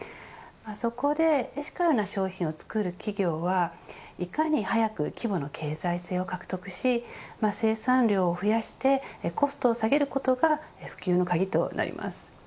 そこでエシカルな商品を作る企業はいかに早く規模の経済性を獲得し生産量を増やしてコストを下げることが普及の鍵となります。